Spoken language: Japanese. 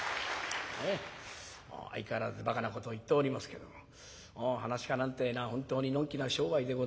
相変わらずバカなことを言っておりますけどももう噺家なんてえのは本当にのんきな商売でございます。